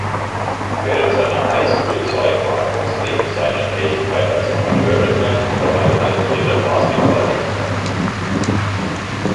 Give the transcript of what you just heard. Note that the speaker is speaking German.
Während seiner High-School-Zeit war Cox neben seiner Tätigkeit als Amateur-Wrestler auch ein talentierter Basketball-Spieler.